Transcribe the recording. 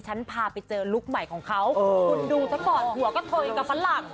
ฉันพาไปเจอลุคใหม่ของเขาเออคุณดูตั้งแต่ก่อนหัวก็เทยกับฝรั่ง